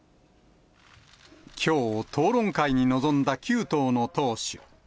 きょう、討論会に臨んだ９党の党首。